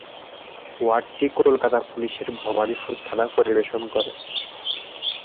ওয়ার্ডটি কলকাতা পুলিশের ভবানীপুর থানা পরিবেশন করে।